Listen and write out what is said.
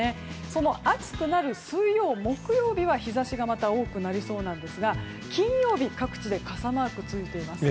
その暑くなる水曜、木曜日は日差しが多くなりそうなんですが金曜日、各地で傘マークがついています。